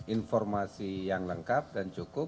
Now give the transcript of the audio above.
informasi yang lengkap dan cukup